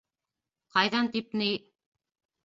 - Ҡайҙан тип ни...